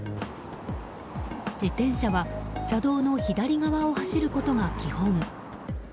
自転車は車道の左側を走ることが基本。